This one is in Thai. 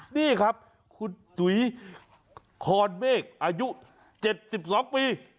นี่ครับคุณจุ๋ยคอนเมฆอายุ๗๒ปี